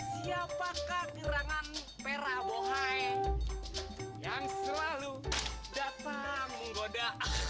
siapakah gerangan merah bohai yang selalu datang menggoda